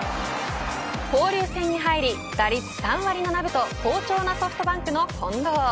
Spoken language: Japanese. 交流戦に入り、打率３割７分と好調なソフトバンクの近藤。